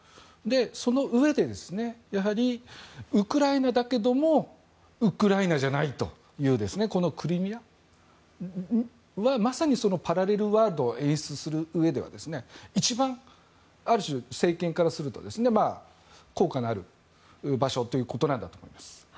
そのうえでウクライナだけどもウクライナじゃないというこのクリミアはまさにそのパラレルワールドを演出するうえでは一番ある種、政権からすると効果のある場所ということなんだと思います。